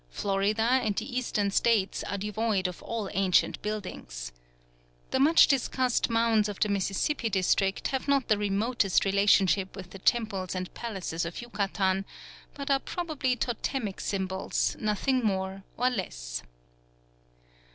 Florida and the Eastern States are devoid of all ancient buildings. The much discussed mounds of the Mississippi district have not the remotest relationship with the temples and palaces of Yucatan; but are probably totemic symbols, nothing more or less.